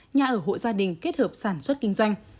nhà ở hộ gia đình kết hợp sản xuất kinh doanh